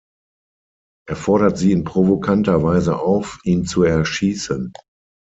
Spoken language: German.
Er fordert sie in provokanter Weise auf, ihn zu erschießen.